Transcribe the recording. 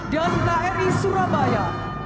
dan kri surabaya